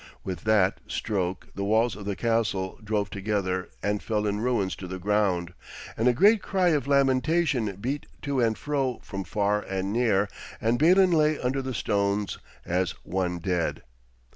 With that stroke the walls of the castle drove together and fell in ruins to the ground, and a great cry of lamentation beat to and fro from far and near, and Balin lay under the stones as one dead.